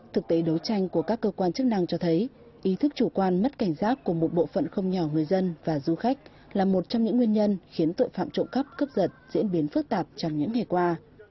thực tế đấu tranh của các cơ quan chức năng cho thấy ý thức chủ quan mất cảnh giác của một bộ phận không nhỏ người dân và du khách là một trong những nguyên nhân khiến tội phạm trộm cắp cướp giật diễn biến phức tạp trong những ngày qua